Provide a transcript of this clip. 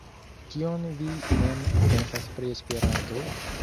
Kion vi mem pensas pri Esperanto?